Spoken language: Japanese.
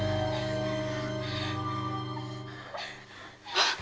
あっ！